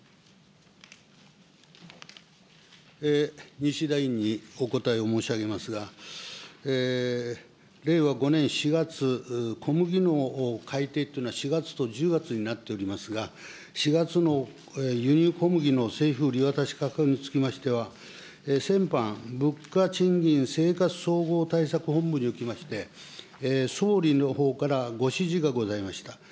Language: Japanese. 西田委員にお答えを申し上げますが、令和５年４月、小麦の改定というのは、４月と１０月になっておりますが、４月の輸入小麦の政府売り渡し価格につきましては、先般、物価賃金生活総合対策本部におきまして、総理のほうからご指示がございました。